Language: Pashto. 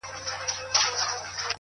• هسي نه هغه باور.